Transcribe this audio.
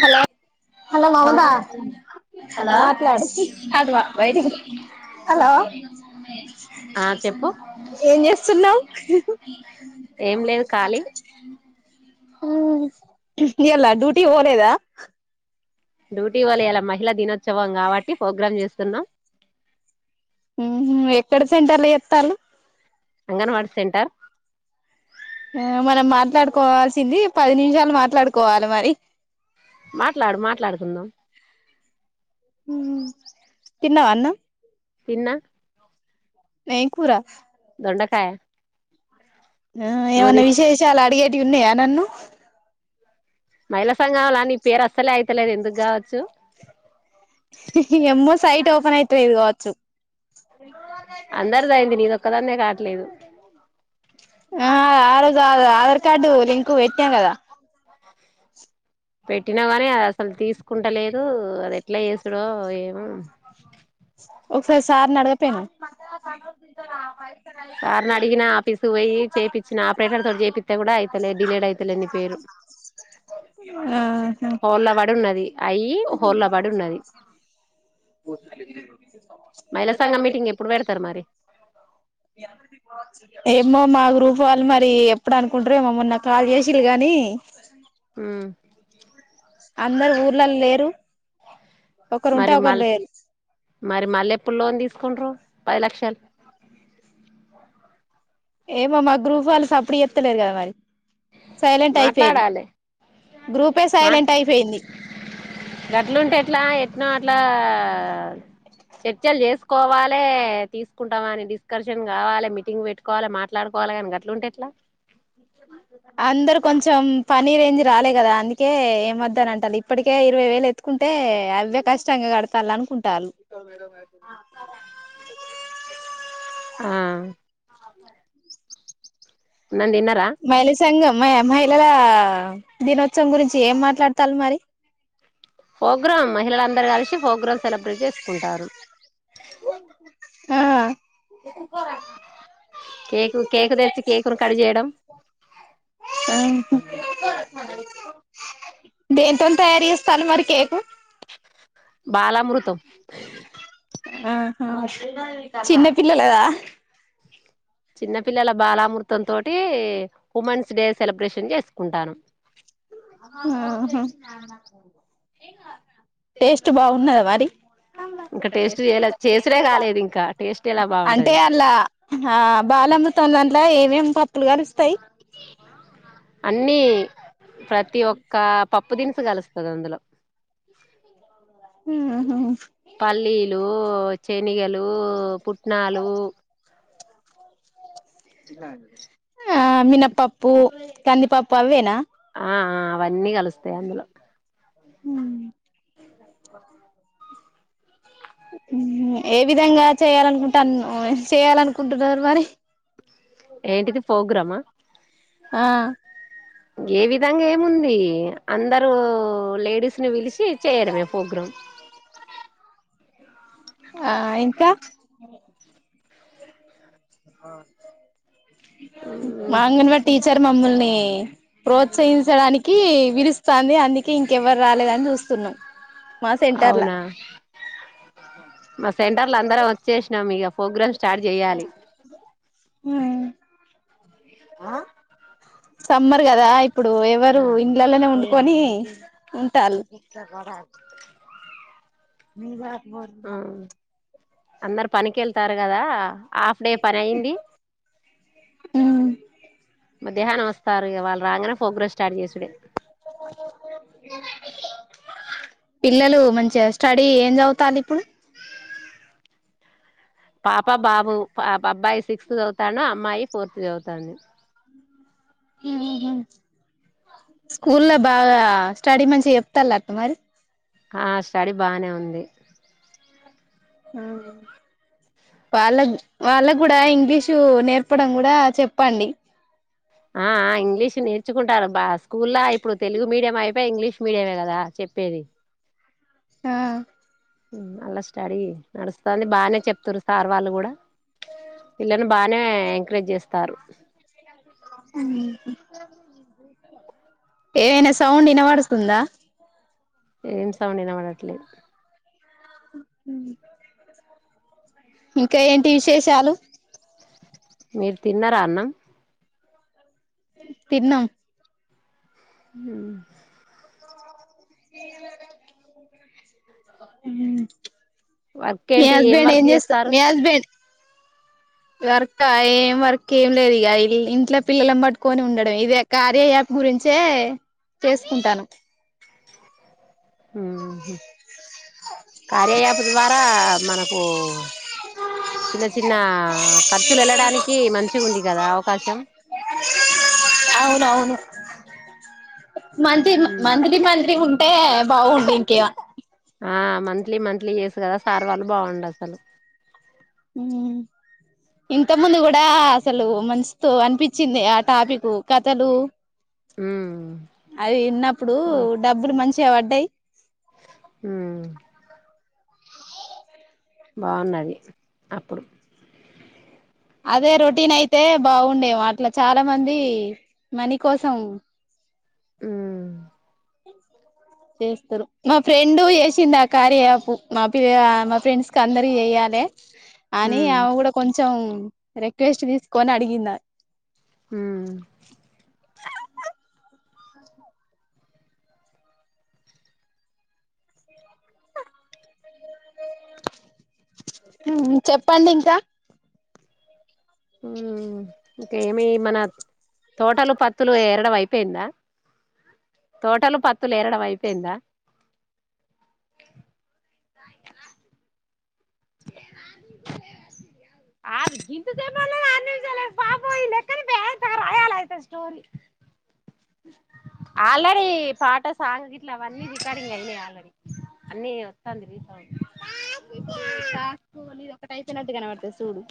Hello hello Mamata hello hello ఆ చెప్పు యేంచేస్తున్నావ్ ఏం లేదు ఖాళీ ఉ ఇయ్యాల డ్యూటీి కీ పోలేదా డ్యూటీ కీ పోలే ఇయలా మహిళా దినోత్సవం కాబట్టి ప్రోగ్రామ్ చేస్తున్నాం ఉహ్ ఎక్కడ సెంటల్ చేతాలు అంగన్వాడి సెంటర్ ఆ మనం మాట్లాడుకోవాల్సింది పది నిమిషాలు మాట్లాడుకోవాలి మరి మాట్లాడు మాట్లాడుకుందాం తిన్నవ అన్నం తిన్న ఎం కుర్ర దొండకాయ ఆ నువ్వు ఏమన్నా తి విశేషాలు అడిగేటివి ఉన్నాయా నన్ను మహిళా సంఘంలా నీ పేరు అస్సలే అయితలేదు ఎందుకు కావచ్చు ఎమ్ సైట్ ఓపెన్ యితేలెడ్ కవాచ్ అందరిది అందర్ది అయింది నీది ఒక్కదాన్నే కావట్లేదు ఆ ఆరోజు ఆధా ఆధార్ కార్డు లింకు పెట్టాం కదా పెట్టినా కానీ అసలు తీసుకుంటలేదు అది ఎట్లా చేసుడో ఏమో ఒకసారి సార్ని అడగకపోయినవ్ సార్ని అడిగినా ఆఫీసు పోయి చేపించిన ఆపరేటర్ తోటి చేపిస్తే కూడాయి లెడ్ డిలేడ్ ఐతలేద్ ని పేరు ఆ హ హోల్లా పడి ఉన్నది అయ్యి హోల్లా పడి ఉన్నది [unintelligible] మహిళా సంఘం మీటింగ్ ఎప్పుడు పెడతారు మరి ఏమో మా గ్రూప్ వాళ్ళు మరి ఎప్పుడు అనుకుంటారు ఏమో మమ్మొన్న కాల్ చేసింలు గాని ఉ అందరు ఊర్లలో లేరు ఒకరుంటే మరి ఒకరు మల్ లేరు మరి మల్లెప్పుల్లో తీస్ కుండ్రు పది లక్షల్ ఏమో మా గ్రూప్ వాళ్ళు సప్పుడు జేత్తలేరు కద మరి సైలెంట్ అయిపోయిళ్ళు మాట్లాడాలి గ్రూపే మా సైలెంట్ అయిపోయింది గట్లుంటే ఎట్లా ఎట్నో ఇట్లా ఆఆ చర్చలు చేసుకోవలె తీసుకుంటామని డిస్కషన్ గావాలె మీటింగ్ పెట్టుకోవాలె మాట్లాడుక్ పోవలగానీ గట్లుంటెట్లా [inaudible] అందరు కొంచెం పని రేంజ్ రాలే గదా అందుకే యేమోద్దన అంటాల్ ఇప్పటికే ఇరవై వేలు ఎత్తుకుంట్ టె అవే కష్టంగా కడతాలానుకున్ టాల్ ఆ అన్నం తిన్నారా మయిళ సంఘం మ మహిళల దినోత్సవం గురించి చ్ ఏం మాట్లాడతాళ్లు మరి ఫోగ్రామ్ మహిళలందరూ కలిసి ఫోగ్రామ్ సెలబ్రేట్ చేసుకుంటారు. హా కేకు కేకు తెచ్చి కేకును కడ్ చేయడం ఉహు దేంతోని తయారు చేస్తాలు మరి కేకు బాలమృతం ఆహా చిన్న పిల్లలదా చిన్న పిల్లల బాలామృతం తోటీ ఉమెన్స్ డే సెలబ్రేషన్ చేసుకుంటానం. ఆహా టేస్ట్ బాగున్నదా మరి ఇంకా టేస్ట్ చేయలే చేసుడే కాలేదు ఇంకా టేస్ట్ ఎలా అంటే బాగుంటది అల్ల హా బా లామృతం దంట్లా ఏమేమి పప్పులు గలుస్ అన్నీ ప్రతి ఒక్క పప్పు దినుసు కలుస్తది అందులో మ్ హు పల్లీలు చెనిగెలు పుట్నాలు ఆ మినపప్పుూ కంది పప్పు అవ్వేనా ఆహ అ అవన్నీ కలుస్తయ్ అందులో హు హు ఏ విధంగా చేయాలనుకుంటాన్ చేయాలనుకుంటున్నరు మరి ఏంటిది ఫోగ్రామా ఆ ఏ విధంగ ఏముంది అందరూ లేడీస్ ని పిలిష్ షి చేయడమే ఫోగ్రామ్ ఆహ్ ఇంకా అహ్ మా ఉమ్ అంగన్వాడి టీచర్ మమ్మల్ని ప్రోత్సహించడానికి విలుస్తాంది. అందుకే ఇంకెవర్ రాలేదని చూస్తున్నం. అవునా మా సెంటర్ల అందరం వచ్చేష్ణం ఇగ ఫోగ్రామ్ స్ స్టార్ట్ జేయ్యాలి హ్మ్ సమ్మర్ గదా ఇప్పుడు ఎవరు ఇండ్లలనే ఒండుకొని ఉంటాల్లు ఆహ్ అందరు పనికెళ్తారు గదా ఇంకా ఆఫ్ డే పనయ్యింది మద్యాహ్నం వస్తారు ఇగ వాళ్ళు రాంగనే ఫోగ్రస్ పిల్లలు మంచిగా. స్టడీ ఏం చదువుతాంది ఇప్పుడు. ఆ పాప బాబు పా పాఅబ్బాయి సిక్స్త్ చదువుతాండు. అమ్మాయి ఫోర్త్ చదువుతాంది. ఉహూ. స్కూల్లా బాగా స్టడీ మంచిగా చెప్తాలేటన మరి. ఆహ్ స్టడీ బానే ఉంది. పాలక్ వాలక్. కూడా ఇంగ్లీషు నేర్పడం కూడా చెప్పండి. ఆహ్ ఆహ్ ఇంగ్లీష్ నేర్చుకుంటారు బా స్కూల్లా ఇప్పుడు తెలుగు మీడియం అయిపోయి ఇంగ్లీష్ మీడియమే కదా చెప్. చెప్పేది. ఉమ్. ఉమ్ అల్ల స్టడీ నడుస్తుంది బానే చెప్తుంరు సార్. వాళ్ళు కూడా పిల్లల్ని బానే ఎంకరేజ్ చేస్తారు. ఉమ్. ఏమైనా సౌండ్ వినవడుతుందా. ఏం సౌండ్ ఇనవడట్లేద్. ఉమ్ ఉహూ. ఇంకా ఏంటి విశేషాలు. మీరు తిన్నార అన్నం. తిన్నం. ఉమ్. ఉమ్. వర్క్ మీ ఏంటి హస్బెండ్ ఏం వర్క్ చేస్త చేస్తారు మీ హస్బెండ్. వర్క్ ఆ ఏం వర్క్ ఏం లేదు ఇగ ఇంట్లా పిల్లల్ని పట్టుకొని ఉండడం ఇదే కార్యాయాప్. గురించే చేసుకుంటాను. ఉహు. కార్యయాప్ ద్వారా మనకు. చిన్న చిన్న ఖర్చులేళ్ళడానికి మంచిగ ఉంది కదా అవకాశం. అవునవును. మంతి ఉమ్ మంత్లీ మంత్లీ ఉంటే బాగుండు ఇంకా. ఆహ్ మంత్లీ మంత్లీ చేసుకదా సార్ వాళ్ళు బాగుండు అసలు. ఉమ్. ఇంతకు ముందు కూడా అసలు మస్త్ అనిపించింది ఆ టాపికు కథలు. ఉమ్ అవి ఇన్నప్పుడు బా డబ్బులు మంచిగ వడ్డయ్. ఉమ్. బావున్నది అప్పుడు. అదే రొటీన్ అయితే బాగుండేమో అట్ల చాలా మంది మనీ కోసం. ఉమ్. చేస్తాలే మా ఫ్రెండ్ చేసింది ఆ కార్యాయ్యాప్ మా పిల్ ఆ మా ఫ్రెండ్స్ కి అందరికి చేయాలి. అని ఉమ్ ఆమె కూడా కొంచెం రిక్వెస్ట్ తీసుకొని అడిగిందాది. ఉమ్. ఉమ్ చెప్పండి ఇంకా. ఉమ్ ఇంక ఏమి మనత్. తోటలు పత్తులు ఎరడం అయిపోయిందా. తోటలు పత్తులు ఎరడం అయిపెయిందా. ఆగు గింత సేపు అన్నది ఆరు నిమిషాలు ఆయె పాపోయ్ లెక్కని పేద్దగ రాయాలి అయితే స్టోరి ఆల్రెడీ పాట సాంగ్ గిట్ల అవన్ని రికార్డింగ్ అయినయ్ ఆల్రెడీ అన్ని ఒత్తంది రీసౌండ్ టాస్క్ నీది ఒకటి అయిపోయినట్టు కనబడుతది సుడూ.